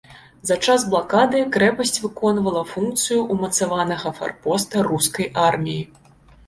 За час блакады крэпасць выконвала функцыю ўмацаванага фарпоста рускай арміі.